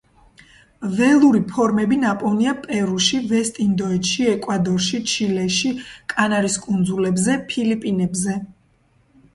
ველური ფორმები ნაპოვნია პერუში, ვესტ-ინდოეთში, ეკვადორში, ჩილეში, კანარის კუნძულებზე, ფილიპინებზე.